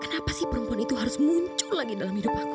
kenapa sih perempuan itu harus muncul lagi dalam hidup aku